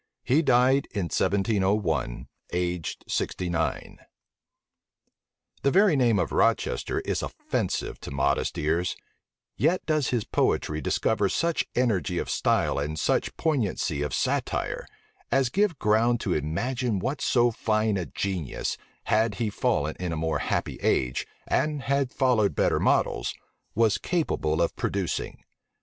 He died in 1701, aged sixty nine. The very name of Rochester is offensive to modest ears, yet does his poetry discover such energy of style and such poignancy of satire, as give ground to imagine what so fine a genius, had he fallen in a more happy age, and had followed better models, was capable of producing.